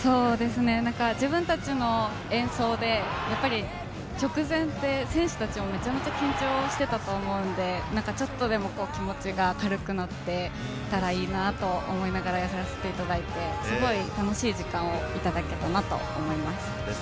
自分たちの演奏で直前で、選手たちもめちゃめちゃ緊張していたと思うんで、ちょっとでも気持ちが軽くなっていったらいいなと思いながらやらせていただきまして、すごく楽しい時間をいただけたなと思います。